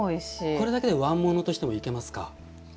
これだけでわん物としてもいけますか。